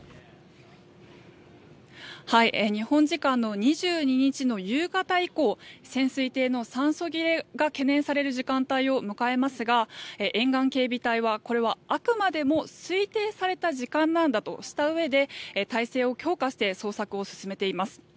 日本時間の２２日の夕方以降潜水艇の酸素切れが懸念される時間帯を迎えますが沿岸警備隊はこれはあくまでも推定された時間なんだとしたうえで体制を強化して捜索を進めています。